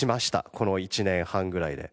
この１年半ぐらいで。